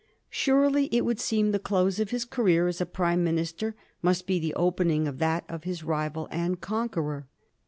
Surely it would seem the close of his career as a Prime minister must be the opening of that of his rival and conqueror.